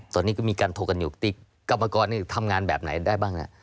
ตอนนี้ก็มีการโทกนยกติกกรรมกรทำงานแบบไหนได้บ้าง